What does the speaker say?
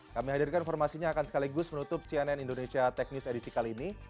kami hadirkan informasinya akan sekaligus menutup cnn indonesia tech edisi kali ini